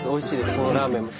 このラーメンも。